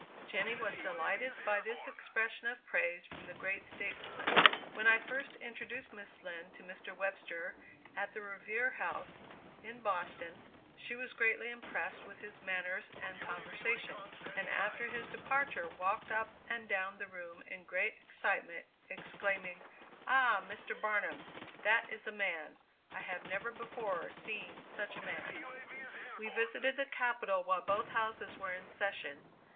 Jenny was delighted by this expression of praise from the great statesman. When I first introduced Miss Lind to Mr. Webster, at the Revere House, in Boston, she was greatly impressed with his manners and conversation, and after his departure, walked up and down the room in great excitement, exclaiming: "Ah! Mr. Barnum, that is a man; I have never before seen such a man!" We visited the Capitol while both Houses were in session.